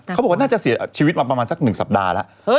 เขาบอกว่าน่าจะเสียชีวิตมาประมาณสัก๑สัปดาห์แล้ว